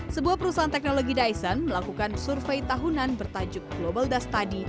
sebuah perusahaan teknologi dyson melakukan survei tahunan bertajuk global dash study